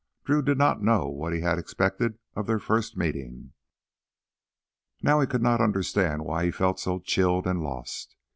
Drew did not know what he had expected of their first meeting. Now he could not understand why he felt so chilled and lost.